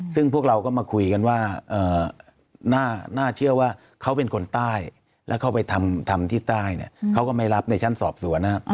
ซึ่งพวกเราก็มาคุยกันว่าน่าเชื่อว่าเขาเป็นคนใต้แล้วเขาไปทำที่ใต้เนี่ยเขาก็ไม่รับในชั้นสอบสวนนะครับ